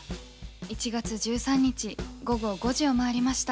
１月１３日午後５時を回りました。